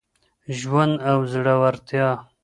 ژوند او زړورتیا